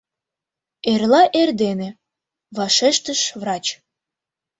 — Эрла эрдене, — вашештыш врач.